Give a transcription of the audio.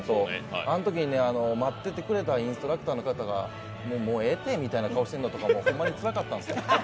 あのときに待っててくれたインストラクターの方がもうええて、みたいな顔してるのもほんまにつらかったんですよ。